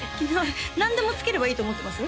何でもつければいいと思ってます？